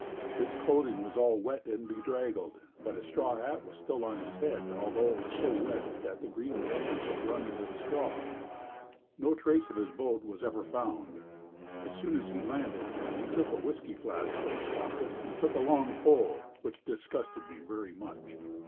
His clothing was all wet and bedraggled, but a straw hat was still on his head although it was so wet that the green band had run into the straw. No trace of his boat was ever found. As soon as he landed, he took a whiskey flask from his pocket and took a long pull, which disgusted me very much.